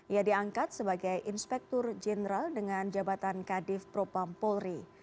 ia diangkat sebagai inspektur jeneral dengan jabatan kadif propampolri